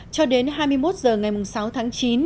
cho đến hai mươi một h ngày sáu tháng chín